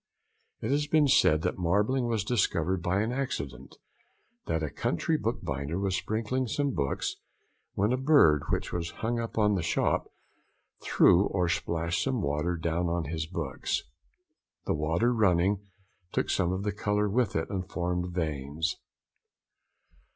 It has been said that marbling was discovered by an accident; that a country bookbinder was sprinkling some books, when a bird, which was hung up in the shop, threw or splashed some water down on his books; the water running, took some of the colour with it and formed veins.